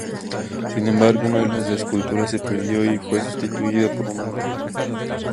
Sin embargo, una de las esculturas se perdió y fue sustituida por una nueva.